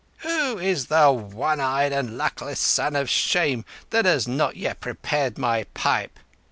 Who is the one eyed and luckless son of shame that has not yet prepared my pipe?"